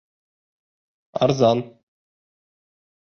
Арзан!